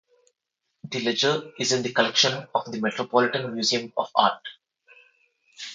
The ledger is in the collection of the Metropolitan Museum of Art.